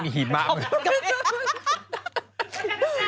มีมะต่างประเทศสิ